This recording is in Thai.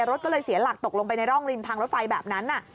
รถก็เลยเสียหลักตกลงไปในร่องริมทางรถไฟแบบนั้น